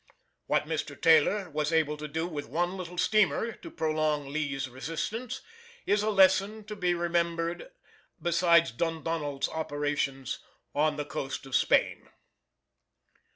What Mr. Taylor was able to do with one little steamer to prolong Lee's resistance is a lesson to be remembered beside Dundonald's operations on the coast of Spain.